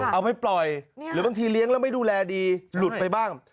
เอาไปปล่อยหรือบางทีเลี้ยงแล้วไม่ดูแลดีหลุดไปบ้าง